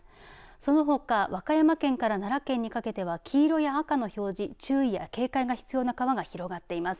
そのほか、和歌山県から奈良県にかけては黄色や赤の表示注意や警戒が必要な川が広がっています。